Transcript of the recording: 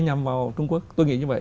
nhằm vào trung quốc tôi nghĩ như vậy